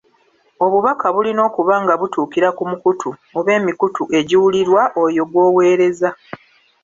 Obubaka bulina okuba nga butuukira ku mukutu oba emikutu egiwulirwa oyo gw'oweereza.